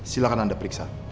silahkan anda periksa